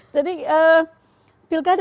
jadi pilkada dki